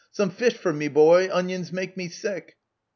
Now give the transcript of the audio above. Some fish for me, boy : onions make me sick